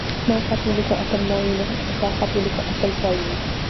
ما خط وليکه. اتل ما ويني.تا خط وليکه. اتل تا ويني.